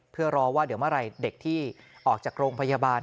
เพื่อรอว่าเดี๋ยวเมื่อไหร่เด็กที่ออกจากโรงพยาบาล